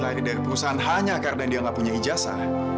lari dari perusahaan hanya karena dia nggak punya ijasa